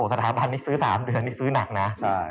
สถาบันนี้ซื้อ๓เดือนนี่ซื้อหนักนะ